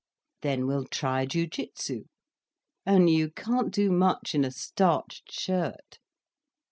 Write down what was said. "Then we'll try jiu jitsu. Only you can't do much in a starched shirt."